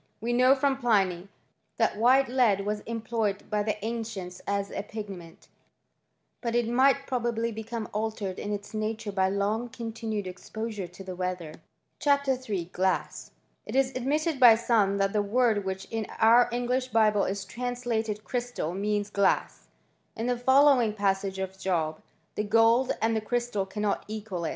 * We know from Pliny that white lead was employed by the ancients as a pigment ; but it might probably become altered in its nature by long continued exposure to the weather. Ill, — GLASS. It is admitted by some that the word which in our English Bible is translated crystal, means glass, in the following passage of Job :*' The gold and the crystal cannot equal it."